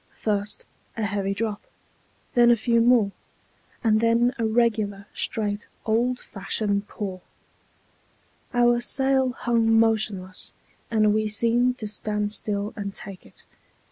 First, a heavy drop, then a few more, and then a regular, straight, old fashioned pour. Our sail hung motionless, and we seemed to stand still and take it.